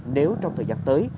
nếu trong thời gian tới